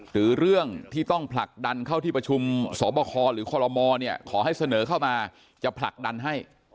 หรือเรื่องที่ต้องผลักดันเข้าที่ประชุมสอบคอหรือคอลโลมเนี่ยขอให้เสนอเข้ามาจะผลักดันให้